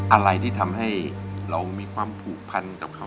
อะไรที่ทำให้เรามีความผูกพันกับเขา